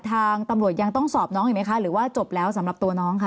ทางตำรวจยังต้องสอบน้องอีกไหมคะหรือว่าจบแล้วสำหรับตัวน้องค่ะ